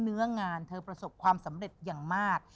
เนื้องานเธอประสบความสำเร็จอย่างมาก